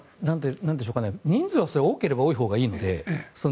人数は多ければ多いほうがいいので。